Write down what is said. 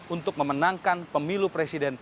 untuk memenangkan pemilu presiden